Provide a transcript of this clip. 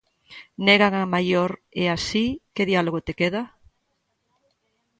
Negan a maior e así, que diálogo te queda?